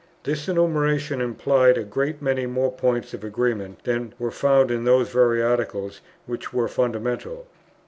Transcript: This enumeration implied a great many more points of agreement than were found in those very Articles which were fundamental.